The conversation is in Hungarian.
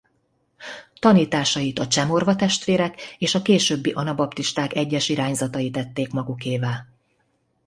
Tanításait a cseh-morva testvérek és a későbbi anabaptisták egyes irányzatai tették magukévá.